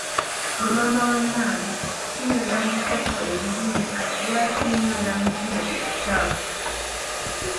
Gwe mama wa Nambo, munywera mu bikopo ebirungi kati lwaki nywera mu kino ekikyafu?"